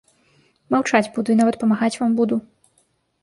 Маўчаць буду і нават памагаць вам буду.